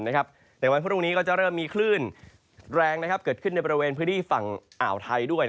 ในวันพรุ่งนี้ก็จะเริ่มมีคลื่นแรงเกิดขึ้นในบริเวณพื้นที่ฝั่งอ่าวไทยด้วย